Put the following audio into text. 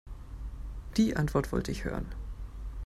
Die Antwort wollte ich hören.